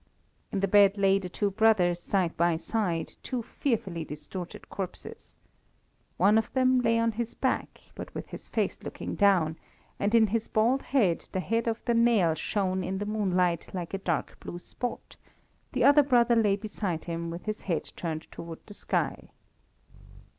In the bed lay the two brothers side by side; two fearfully distorted corpses. One of them lay on his back, but with his face looking down, and in his bald head the head of the nail shone in the moonlight like a dark blue spot; the other brother lay beside him with his head turned towards the sky.